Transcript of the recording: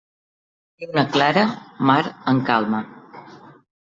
Lluna clara, mar en calma.